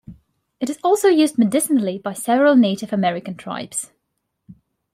It is also used medicinally by several Native American tribes.